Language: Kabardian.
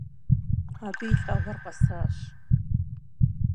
Абы и лӏэгъуэр къэсащ.